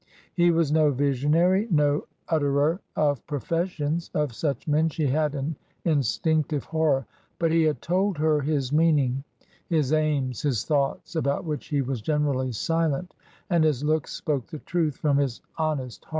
He was no visionary, no utterer of professions; of such men she had an in stinctive horror. But he had told her his meaning, his aims, his thoughts, about which he was generally silent, and his looks spoke the truth fi om his honest heart.